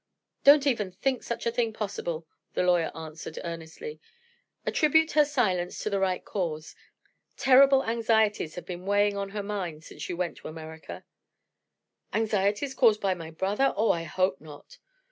"Don't even think such a thing possible!" the lawyer answered, earnestly. "Attribute her silence to the right cause. Terrible anxieties have been weighing on her mind since you went to America." "Anxieties caused by my brother? Oh, I hope not!"